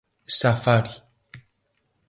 Safari.